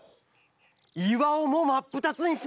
いわをもまっぷたつにします！